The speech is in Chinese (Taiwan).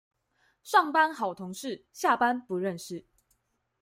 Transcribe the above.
上班好同事，下班不認識